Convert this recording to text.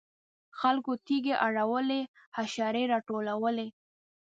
خلکو تیږې اړولې حشرې راټولولې.